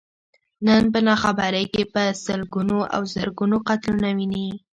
نن په ناخبرۍ کې په سلګونو او زرګونو قتلونه ويني.